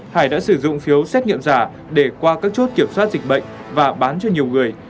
hải đã sử dụng phiếu xét nghiệm giả để qua các chốt kiểm soát dịch bệnh và bán cho nhiều người